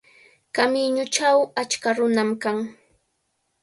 Kamiñuchaw achka nunam kan.